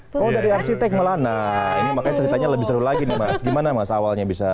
kalau dari arsitek malah nah ini makanya ceritanya lebih seru lagi nih mas gimana mas awalnya bisa